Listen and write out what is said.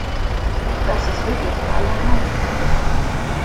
Das ist wirklich allerhand.